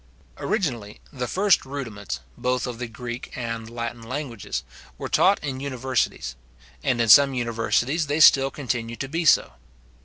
Originally, the first rudiments, both of the Greek and Latin languages, were taught in universities; and in some universities they still continue to be so.